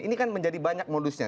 ini kan menjadi banyak modusnya